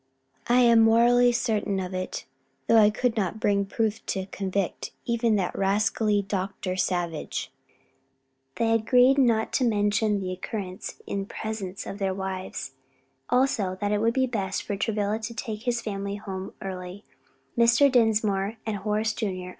"I am morally certain of it, though I could not bring proof to convict even that rascally Dr. Savage." They agreed not to mention the occurrence in presence of their wives: also that it would be best for Travilla to take his family home early, Mr. Dinsmore and Horace Jr.